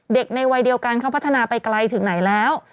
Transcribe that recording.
ในวัยเดียวกันเขาพัฒนาไปไกลถึงไหนแล้ว